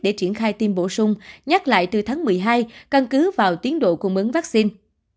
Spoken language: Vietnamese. để triển khai tiêm bổ sung nhắc lại từ tháng một mươi hai căn cứ vào tiến độ cung ứng vaccine